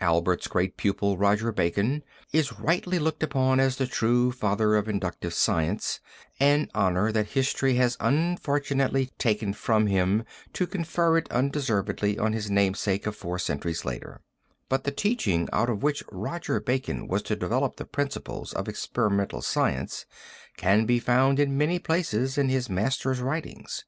Albert's great pupil Roger Bacon is rightly looked upon as the true father of inductive science, an honor that history has unfortunately taken from him to confer it undeservedly on his namesake of four centuries later, but the teaching out of which Roger Bacon was to develop the principles of experimental science can be found in many places in his master's writings.